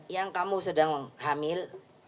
yang kamu sedang hamil